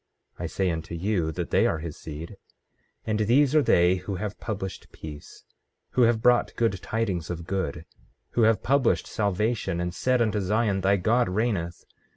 I say unto you that they are his seed. 15:14 And these are they who have published peace, who have brought good tidings of good, who have published salvation; and said unto Zion: Thy God reigneth!